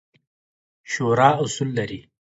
شورا اصول لري